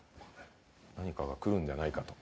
何かが来るんじゃないかと。